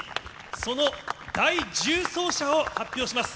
その第１０走者を発表します。